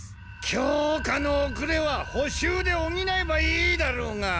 教科のおくれはほ習でおぎなえばいいだろうが！